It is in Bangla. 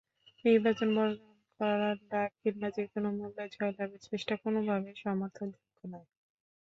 নির্বাচন বর্জন করার ডাক কিংবা যেকোনো মূল্যে জয়লাভের চেষ্টা কোনোভাবেই সমর্থনযোগ্য নয়।